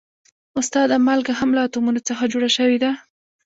استاده مالګه هم له اتومونو څخه جوړه شوې ده